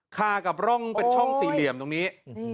คากับร่องเป็นช่องสี่เหลี่ยมตรงนี้